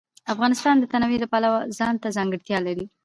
افغانستان د تنوع د پلوه ځانته ځانګړتیا لري.